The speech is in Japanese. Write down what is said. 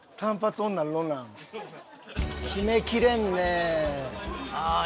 決めきれんね。